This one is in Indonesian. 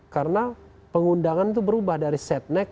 karena pengundangan itu berubah dari set next